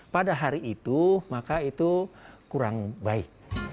pada hari itu maka itu kurang baik